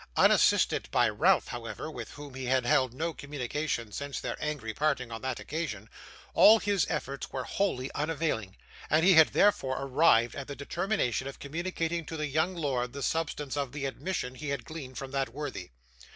Unassisted by Ralph, however, with whom he had held no communication since their angry parting on that occasion, all his efforts were wholly unavailing, and he had therefore arrived at the determination of communicating to the young lord the substance of the admission he had gleaned from that worthy.